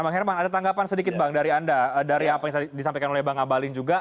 bang herman ada tanggapan sedikit bang dari anda dari apa yang disampaikan oleh bang abalin juga